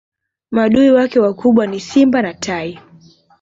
maadui wake wakubwa ni simba na tai